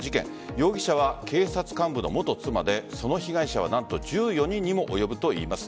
容疑者は警察幹部の元妻でその被害者は何と１４人にも及ぶといいます。